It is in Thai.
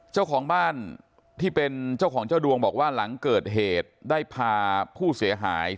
เจ้าของบ้านที่เป็นเจ้าของเจ้าดวงบอกว่าหลังเกิดเหตุได้พาผู้เสียหาย